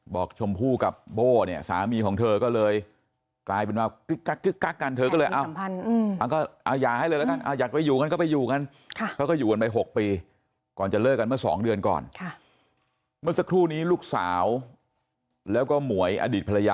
บอกชมพู่กับโบ้เนี่ยสามีของเธอก็เลย